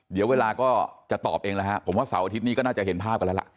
เดี๋ยวเวลาก็จะตอบเองแล้วฮะผมว่าเสาร์อาทิตย์นี้ก็น่าจะเห็นภาพกันแล้วล่ะ